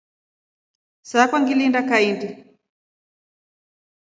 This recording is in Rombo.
Sakwa nisailinga kahindi.